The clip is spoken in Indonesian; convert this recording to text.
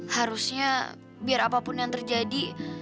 harusnya biar apapun yang terjadi